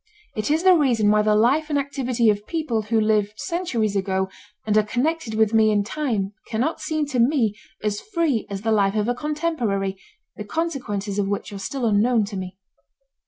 It is the reason why the life and activity of people who lived centuries ago and are connected with me in time cannot seem to me as free as the life of a contemporary, the consequences of which are still unknown to me.